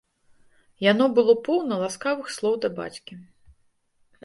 Яно было поўна ласкавых слоў да бацькі.